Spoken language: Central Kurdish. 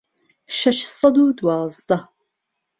شەش سەد و دوازدە